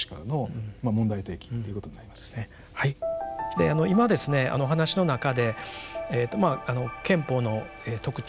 で今ですねお話の中でまあ憲法の特徴